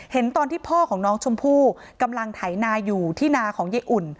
ตอนที่พ่อของน้องชมพู่กำลังไถนาอยู่ที่นาของเย้อุ่น